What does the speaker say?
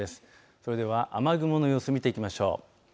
それでは雨雲の様子を見ていきましょう。